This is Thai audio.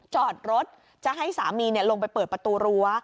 จอดรถจะให้สามีลงไปเปิดประตูรั้ว